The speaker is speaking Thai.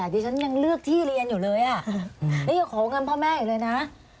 ดิฉันยังเลือกที่เรียนอยู่เลยอ่ะนี่ยังขอเงินพ่อแม่อีกเลยนะ